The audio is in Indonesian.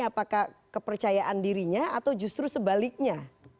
apakah kepercayaan dirinya atau justru sebaliknya